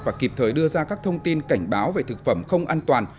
và kịp thời đưa ra các thông tin cảnh báo về thực phẩm không an toàn